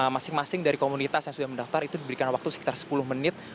masing masing dari komunitas yang sudah mendaftar itu diberikan waktu sekitar sepuluh menit